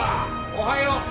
おはよう！